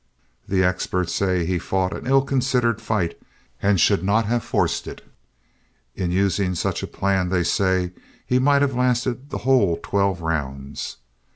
The experts say he fought an ill considered fight and should not have forced it. In using such a plan, they say, he might have lasted the whole twelve rounds.